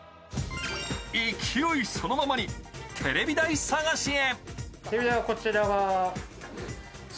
勢いそのままにテレビ台探しへ。